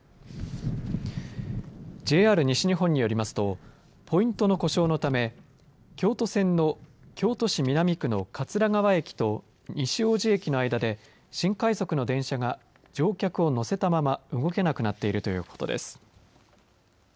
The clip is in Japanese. ＪＲ西日本によりますとポイントの故障のため京都線の京都市南区の桂川駅と西大路駅の間で新快速の電車が乗客を乗せたまま動けなくなっているということです。